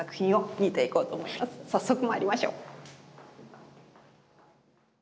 早速まいりましょう！